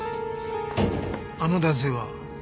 あの男性は？